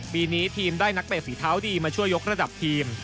ปีนี้ทีมได้นักเตะฝีเท้าดีมาช่วยยกระดับทีม